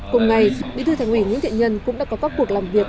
cùng ngày bí thư thành ủy nguyễn thiện nhân cũng đã có các cuộc làm việc